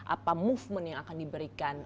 apa movement yang akan diberikan